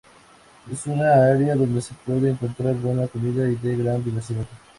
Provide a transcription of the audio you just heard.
Es un área donde se puede encontrar buena comida y de gran diversidad.